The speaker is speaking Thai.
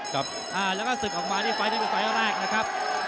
ครับแล้วก็ศึกออกมานี่ไฟล์นี้คือไฟล์แรกนะครับ